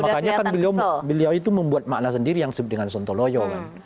makanya kan beliau itu membuat makna sendiri yang disebut dengan sontoloyo kan